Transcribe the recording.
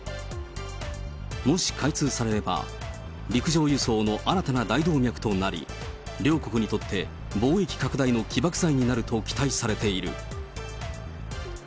もし開通されれば、陸上輸送の新たな大動脈となり、両国にとって貿易拡大の起爆剤になると期待されている。